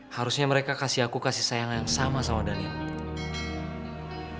harusnya mereka kasih aku kasih sayang yang sama sama daniel